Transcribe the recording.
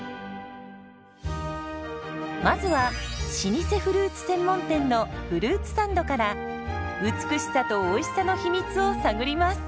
まずは老舗フルーツ専門店のフルーツサンドから美しさとおいしさの秘密を探ります。